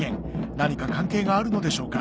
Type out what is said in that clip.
何か関係があるのでしょうか？